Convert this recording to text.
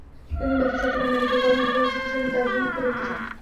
সেদিন রাতে Chattogram medical college হাসপাতালে চিকিৎসাধীন তাইফুল হককে দেখতে যান।